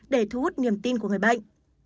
để thu hút niềm tin của người bệnh